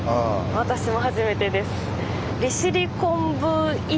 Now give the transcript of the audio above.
私も初めてです。